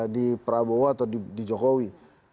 di prabowo atau di jokowi